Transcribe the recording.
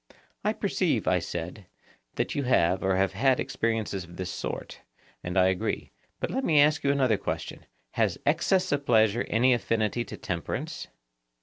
I perceive, I said, that you have or have had experiences of this sort, and I agree. But let me ask you another question: Has excess of pleasure any affinity to temperance?